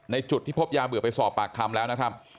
จุดที่พบยาเบื่อไปสอบปากคำแล้วนะครับ